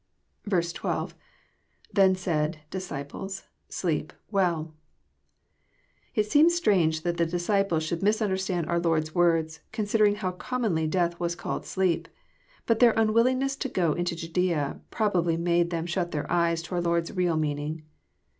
12. —[ Then 8aid..,disciple8,.,8leep...v}eU,'] It seems strange that the disciples should misunderstand our Lord's words, considering how commonly death was called sleep. But their unwillingness to go into JadsBa probably made them shut their eyes to our Lord's real meaning.